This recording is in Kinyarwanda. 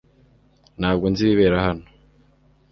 Ntabwo nzi ibibera hano.